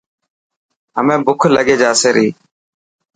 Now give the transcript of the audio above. همي بک لکي جاسي ري.